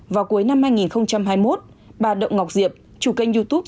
vào cuối năm hai nghìn hai mươi một bà động ngọc diệp chủ kênh youtube